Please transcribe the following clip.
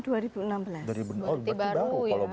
oh berarti baru ya